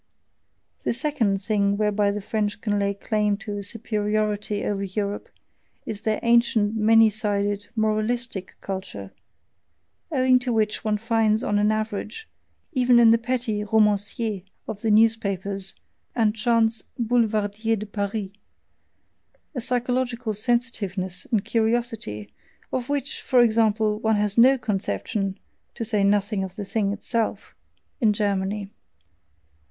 The SECOND thing whereby the French can lay claim to a superiority over Europe is their ancient, many sided, MORALISTIC culture, owing to which one finds on an average, even in the petty ROMANCIERS of the newspapers and chance BOULEVARDIERS DE PARIS, a psychological sensitiveness and curiosity, of which, for example, one has no conception (to say nothing of the thing itself!) in Germany.